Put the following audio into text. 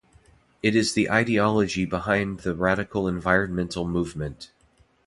It is the ideology behind the radical environmental movement.